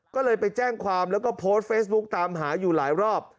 ก็เลยไปแจ้งความแล้วก็โพสต์เฟซบุ๊กตามหาอยู่หลายรอบ